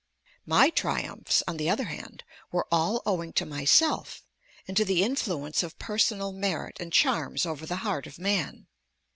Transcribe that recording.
My triumphs, on the other hand, were all owing to myself, and to the influence of personal merit and charms over the heart of man.